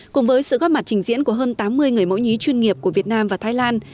cùng với sự góp mặt trình diễn của hơn tám mươi người mẫu nhí chuyên nghiệp của việt nam và thái lan